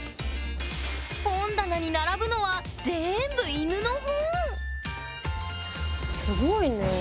本棚に並ぶのはすごいね。